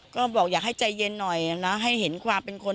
ก็บอกอยากให้ใจเย็นหน่อยนะให้เห็นความเป็นคน